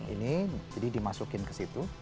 ini jadi dimasukin ke situ